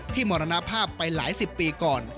มรณภาพไปหลายสิบปีก่อน